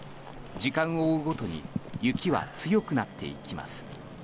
時間を追うごとに雪は強くなっていきます。